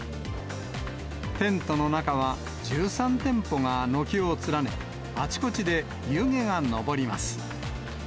テントの中は１３店舗が軒を連ね、あちこちで湯気が上ります。